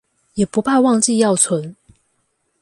也不怕忘記要存